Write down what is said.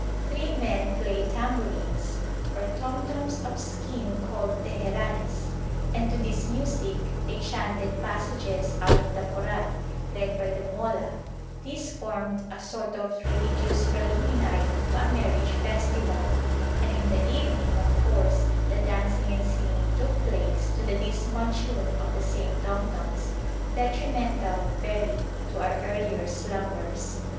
Three men played tambourines or tom toms of skin called teheranes, and to this music they chanted passages out of the Koran, led by the 'mollah'; this formed a sort of religious preliminary to a marriage festival; and in the evening, of course, the dancing and singing took place to the dismal tune of the same tom toms, detrimental, very, to our earlier slumbers.